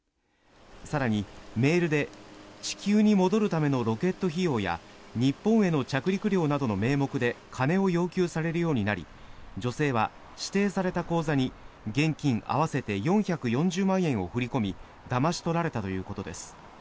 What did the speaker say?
更にメールで地球に戻るためのロケット費用や日本への着陸料などの名目で金を要求されるようになり女性は指定された口座に現金合わせて４４０万円を振り込みだまし取られたということです。